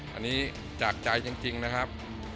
อันนี้จากใจจริงนะครับ